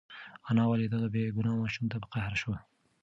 انا ولې دغه بېګناه ماشوم ته په قهر شوه؟